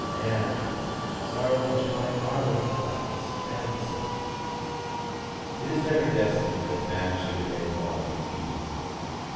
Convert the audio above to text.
Ann! sorrow and joy are like the clouds and the sun." It is never destined that man should remain long in Eden.